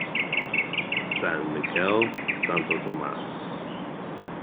San Miguel, Santo Tomas.